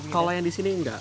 kalau yang disini enggak